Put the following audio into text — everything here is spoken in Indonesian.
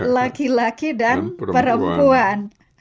laki laki dan perempuan